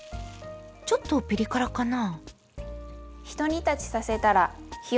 ちょっとピリ辛かな？